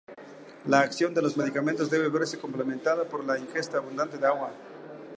La acción de los medicamentos debe verse complementada por la ingesta abundante de agua.